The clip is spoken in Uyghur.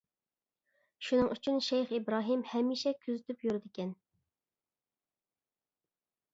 شۇنىڭ ئۈچۈن شەيخ ئىبراھىم ھەمىشە كۆزىتىپ يۈرىدىكەن.